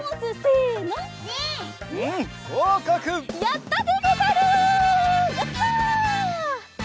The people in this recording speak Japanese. やった！